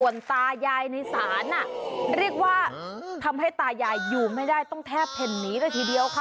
ส่วนตายายในศาลเรียกว่าทำให้ตายายอยู่ไม่ได้ต้องแทบเพ่นหนีเลยทีเดียวค่ะ